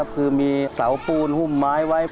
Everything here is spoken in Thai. คือมีเสาปูนหุ้มไม้ไว้